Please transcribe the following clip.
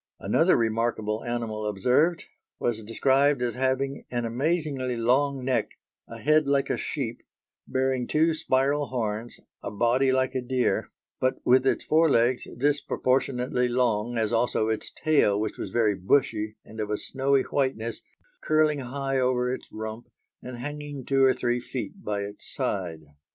Another remarkable animal observed, was described as having an amazingly long neck, a head like a sheep, bearing two spiral horns, a body like a deer, but with its fore legs disproportionately long as also its tail which was very bushy and of a snowy whiteness, curling high over its rump and hanging two or three feet by its side.